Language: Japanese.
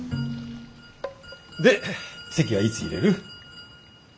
で籍はいつ入れる？